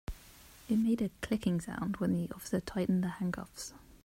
It made a clicking sound when the officer tightened the handcuffs.